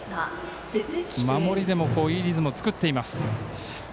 守りでもいいリズムを作っています。